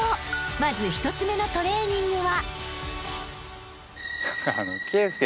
［まず１つ目のトレーニングは］